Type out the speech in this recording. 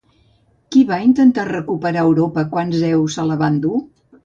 Qui va intentar recuperar Europa quan Zeus se la va endur?